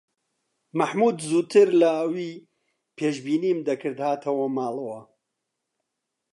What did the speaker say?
مەحموود زووتر لە ئەوی پێشبینیم دەکرد هاتەوە ماڵەوە.